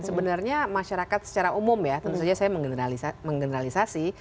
sebenarnya masyarakat secara umum ya tentu saja saya mengeneralisasi